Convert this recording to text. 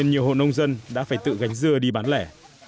nhiều hộ nông dân đã phải tự gánh dưa đi bán lẻ